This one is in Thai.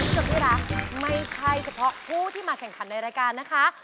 คนที่รักไม่ใช่เฉพาะผู้ที่มาแข่งขันในรายการนะคะ